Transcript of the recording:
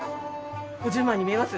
５０万に見えます？